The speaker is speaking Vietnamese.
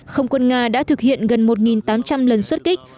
không quân nga đã thực hiện gần một tám trăm linh lần xuất kích